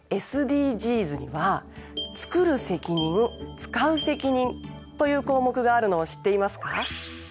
ＳＤＧｓには「つくる責任つかう責任」という項目があるのを知っていますか？